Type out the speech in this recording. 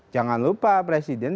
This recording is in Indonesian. jangan lupa presiden